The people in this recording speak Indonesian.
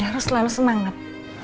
dan harus selalu semangat